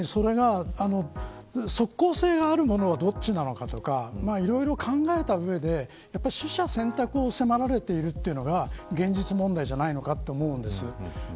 即効性があるものはどちらなのかとかいろいろと考えた上で取捨選択を迫られているというのが現実問題じゃないかと思います。